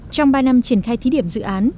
trong ba năm triển khai thí điểm dự án